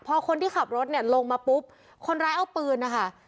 พอคนที่ขับรถเนี่ยลงมาปุ๊บคนร้ายเอาปืนนะคะ